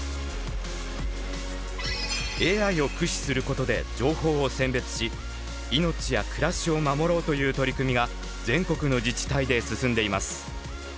ＡＩを駆使することで情報を選別し命や暮らしを守ろうという取り組みが全国の自治体で進んでいます。